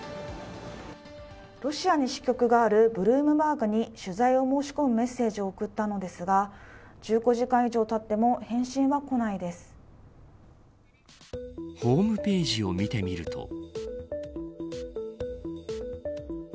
ロシアに支局があるブルームバーグに取材を申し込むメッセージを送ったのですが１５時間以上たってもホームページを見てみると。